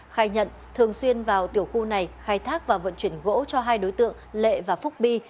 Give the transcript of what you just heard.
khai nhận thường xuyên vào tiểu khu này khai thác và vận chuyển gỗ cho hai đối tượng lệ và phúc bi